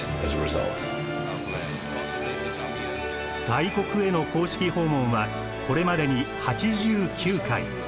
外国への公式訪問はこれまでに８９回。